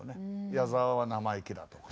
「矢沢は生意気だ」とか。